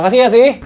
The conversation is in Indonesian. makasih ya sih